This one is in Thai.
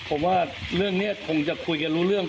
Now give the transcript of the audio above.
ผมว่าเรื่องนี้คงจะคุยกันรู้เรื่อง